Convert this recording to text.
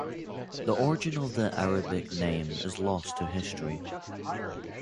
The origin of the Arabic name is lost to history.